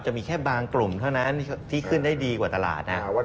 จะมีแค่บางกลุ่มเท่านั้นที่ขึ้นได้ดีกว่าตลาดนะครับ